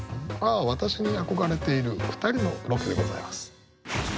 私に憧れている２人のロケでございます。